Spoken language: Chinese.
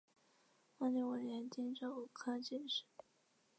万历五年丁丑科进士。